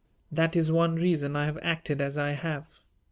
"That is one reason I have acted as I have.